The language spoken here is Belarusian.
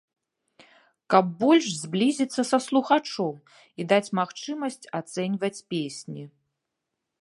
Каб больш зблізіцца са слухачом і даць магчымасць ацэньваць песні.